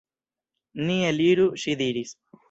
Ni eliru, ŝi diris.